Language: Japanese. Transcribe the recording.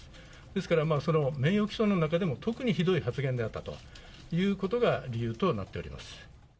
ですから、名誉毀損の中でも特にひどい発言であったということが理由となっ